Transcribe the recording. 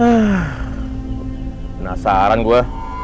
ah penasaran gua